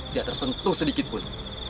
tidak tersentuh sedikitpun